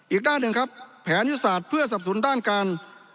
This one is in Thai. อีกด้านหนึ่งครับแผนยุทธศาสตร์เพื่อสับสนด้านการ